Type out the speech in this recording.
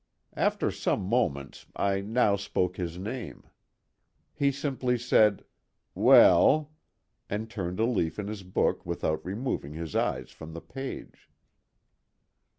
After some moments I now spoke his name. He simply said, "Well," and turned a leaf in his book without removing his eyes from the page.